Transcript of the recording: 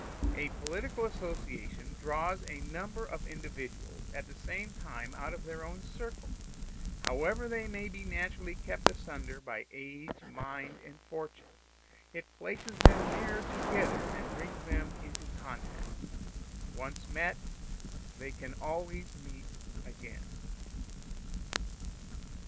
A political association draws a number of individuals at the same time out of their own circle: however they may be naturally kept asunder by age, mind, and fortune, it places them nearer together and brings them into contact. Once met, they can always meet again.